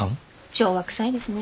昭和くさいですね。